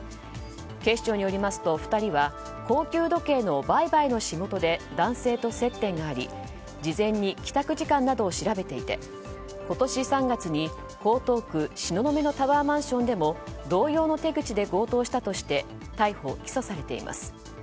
警視庁によりますと２人は高級時計の売買の仕事で男性と接点があり事前に帰宅時間などを調べていて今年３月に江東区東雲のタワーマンションでも同様の手口で強盗したとして逮捕・起訴されています。